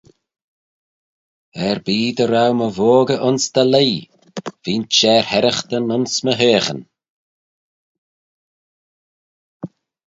Er-be dy row my voggey ayns dty leigh: veign er herraghtyn ayns my heaghyn.